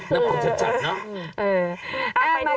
น้ำงมึดจัดน้อง